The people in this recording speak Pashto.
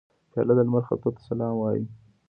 پیاله د لمر ختو ته سلام وايي.